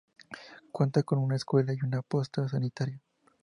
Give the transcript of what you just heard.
Cuenta con una escuela y una posta sanitaria.